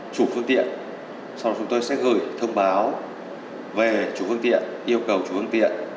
chủ phương tiện sau đó chúng tôi sẽ gửi thông báo về chủ phương tiện yêu cầu chủ phương tiện